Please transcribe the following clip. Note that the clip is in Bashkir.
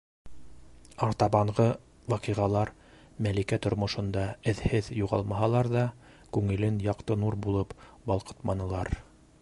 Артабанғы ваҡиғалар Мәликә тормошонда эҙһеҙ юғалмаһалар ҙа, күңелен яҡты нур булып балҡытманылар.